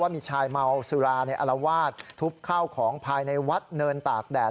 มีชายเมาสุราในอลวาดทุบข้าวของภายในวัดเนินตากแดด